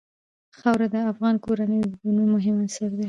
خاوره د افغان کورنیو د دودونو مهم عنصر دی.